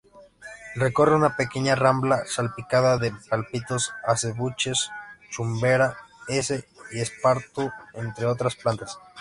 Recorre una pequeña rambla salpicada de palmitos, acebuches, chumberas y esparto, entre otras plantas.